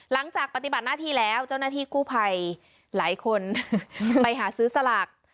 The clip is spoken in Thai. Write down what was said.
หลังจากปฏิบัติหน้าที่แล้วเจ้าหน้าที่กู้ภัยหลายคนไปหาซื้อสลาก